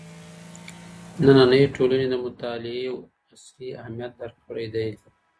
نننۍ ټولني د مطالعې اصلي اهميت درک کړی دی.